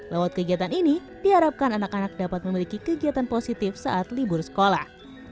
lewat kegiatan ini diharapkan anak anak dapat memiliki kegiatan positif saat libur sekolah